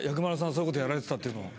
そういうことやられてたっていうのは。